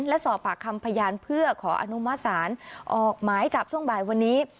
และสอบปากคำพยานเพื่อขออนุมัติศาลออกหมายจับช่วงบ่ายวันนี้